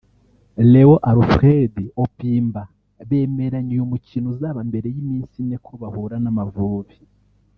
Léon Alfred Opimbat bemeranya uyu mukino uzaba mbere y’iminsi ine ko bahura n’Amavubi